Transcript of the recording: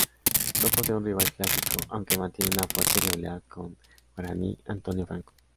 No posee un rival clásico, aunque mantiene una fuerte rivalidad con Guaraní Antonio Franco.